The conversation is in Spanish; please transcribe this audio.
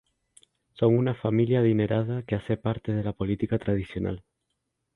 Son una familia adinerada que hace parte de la política tradicional.